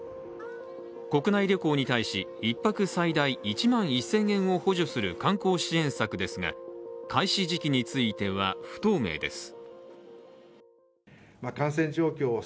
国内旅行に対し、１泊最大１万１０００円を補助する観光支援策ですが、開始時期については不透明です。